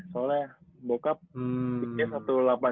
soalnya bokap ya satu ratus delapan puluh tiga lah satu ratus delapan puluh empat